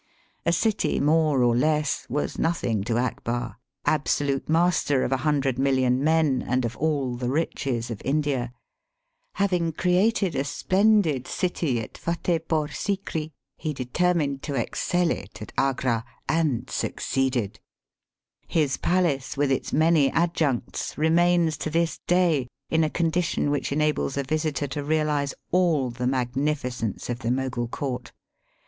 A city more or less was nothing to Akbar, absolute master of a hundred million men and of all the riches of India. Having created a splendid city at Futtehpore Sikri, he deter mined to excel it at Agra, and succeeded* His palace with its many adjuncts remains to this day in a condition which enables a visitor Digitized by VjOOQIC THE CAPITAL OF THE GREAT MOGUL. 271 to realize all the magnificence of the Mogul Court.